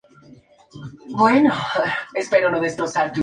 Ambos traicionados por el Partido Liberal".